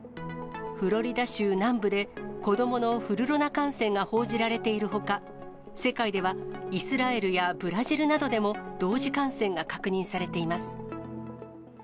フロリダ州南部で、子どものフルロナ感染が報じられているほか、世界ではイスラエルやブラジルなどでも、同時感染が確認されています。